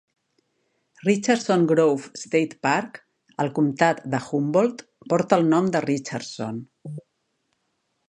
Richardson Grove State Park, al comtat de Humboldt, porta el nom de Richardson.